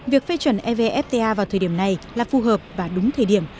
việc phê chuẩn evfta vào thời điểm này là phù hợp và đúng thời điểm